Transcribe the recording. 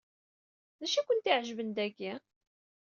D acu ay kent-iɛejben deg-i?